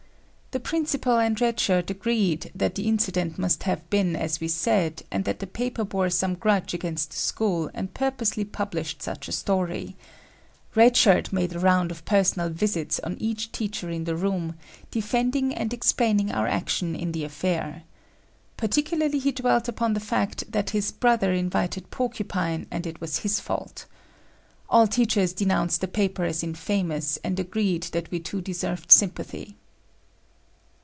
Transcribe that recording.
The principal and Red Shirt agreed that the incident must have been as we said and that the paper bore some grudge against the school and purposely published such a story. Red Shirt made a round of personal visits on each teacher in the room, defending and explaining our action in the affair. Particularly he dwelt upon the fact that his brother invited Porcupine and it was his fault. All teachers denounced the paper as infamous and agreed that we two deserved sympathy.